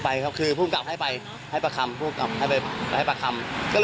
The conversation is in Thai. ไปครับคือภูมิกับให้ไปให้ประคำภูมิกับให้ไปให้ประคำก็